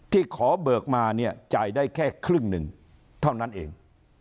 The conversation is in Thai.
ขอเบิกมาเนี่ยจ่ายได้แค่ครึ่งหนึ่งเท่านั้นเอง